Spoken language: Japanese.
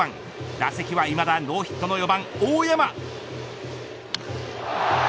打席はいまだノーヒットの４番大山。